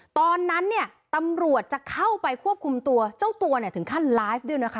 ตอนนั้นเนี่ยตำรวจจะเข้าไปควบคุมตัวเจ้าตัวเนี่ยถึงขั้นไลฟ์ด้วยนะคะ